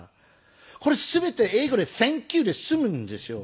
これ全て英語で「サンキュー」で済むんですよ。